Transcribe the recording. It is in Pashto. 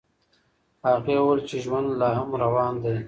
هغې وویل چې ژوند لا هم روان دی.